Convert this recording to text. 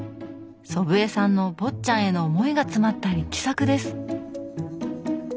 祖父江さんの「坊っちゃん」への思いが詰まった力作です。